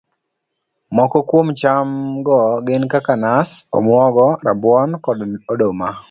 Moko kuom cham go gin kaka nas, omuogo, rabuon, kod oduma